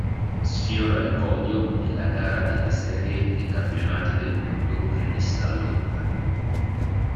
Sfiora il podio nella gara della serie dei campionati del mondo prevista a Londra.